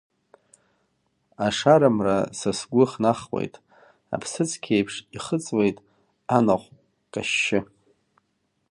Ашара мра са сгәы хнахуеит, аԥсыцқьеиԥш ихыҵуеит анаҟә кашьшьы.